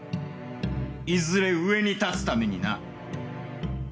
いずれ上に立つためにな。